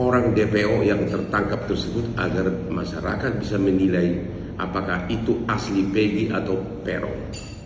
orang dpo yang tertangkap tersebut agar masyarakat bisa menilai apakah itu asli pdi atau peron